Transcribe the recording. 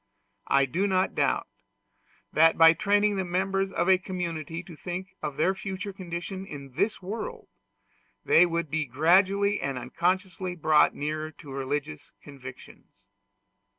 I do not doubt that, by training the members of a community to think of their future condition in this world, they would be gradually and unconsciously brought nearer to religious convictions.